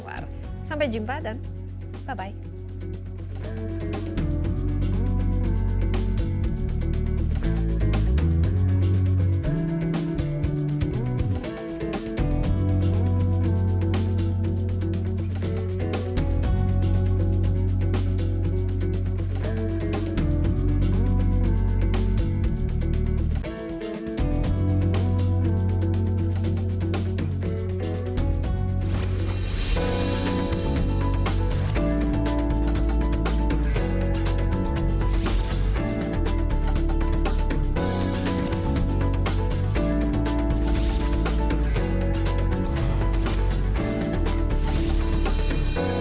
terima kasih sekali